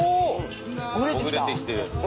ほぐれてきてる。